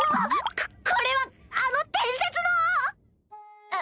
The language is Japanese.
ここれはあの伝説の！